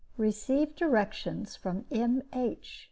Received directions from M. H.